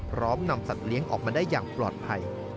พร้อมนำสัตว์เลี้ยงออกมาได้อย่างปลอดภัย